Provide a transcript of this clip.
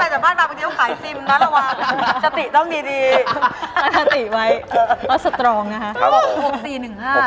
สำคัญล่ะสำคัญล่ะบางทีต้องขายซิมนะระวัง